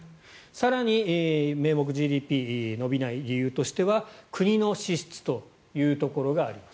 更に、名目ＧＤＰ伸びない理由としては国の支出というところがあります。